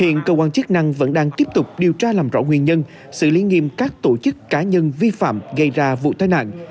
hiện cơ quan chức năng vẫn đang tiếp tục điều tra làm rõ nguyên nhân xử lý nghiêm các tổ chức cá nhân vi phạm gây ra vụ tai nạn